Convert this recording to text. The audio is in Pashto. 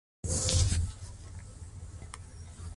یو پر بل پسې وتړل شول،